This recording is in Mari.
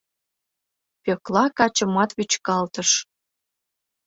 — Пӧкла качымат вӱчкалтыш.